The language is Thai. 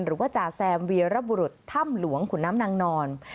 หรือว่าจ่าแซมวีรบุรุษถ้ำหลวงขุนน้ำนางนอน